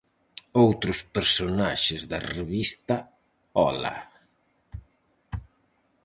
Outros personaxes da revista "Hola!".